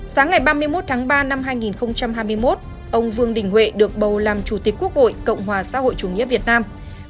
sáng ngày ba mươi một tháng ba năm hai nghìn hai mươi một ông vương đình huệ được bầu làm chủ tịch quốc hội cộng hòa xã hội chủ nghĩa việt nam